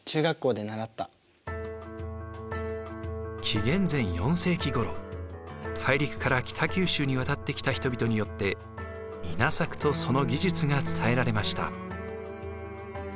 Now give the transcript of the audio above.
紀元前４世紀ごろ大陸から北九州に渡ってきた人々によって稲作とその技術が伝えられました。